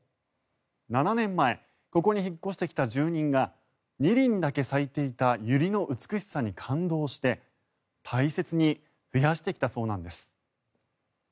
７年前ここに引っ越してきた住人が２輪だけ咲いていたユリの美しさに感動して大切に増やしてきたそうなんです。